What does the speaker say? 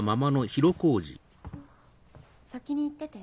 先に行ってて。